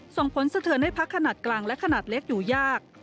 ส่งผลสะเทือนให้พักขนาดกลางและขนาดเล็กอยู่ยาก